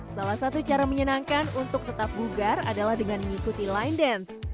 salah satu cara menyenangkan untuk tetap bugar adalah dengan mengikuti line dance